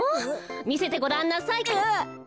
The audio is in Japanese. みせてごらんなさい。